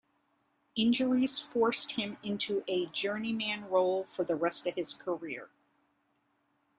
Injuries forced him into a journeyman role for the rest of his career.